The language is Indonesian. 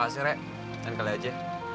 makasih rek nanti kali aja